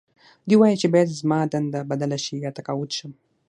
دوی وايي چې باید زما دنده بدله شي یا تقاعد شم